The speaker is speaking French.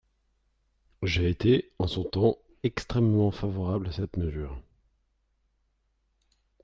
J’ai été, en son temps, extrêmement favorable à cette mesure.